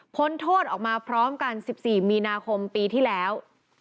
โทษออกมาพร้อมกัน๑๔มีนาคมปีที่แล้ว